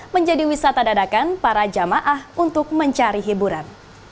menjadi wisata dadakan para jamaah untuk mencari hiburan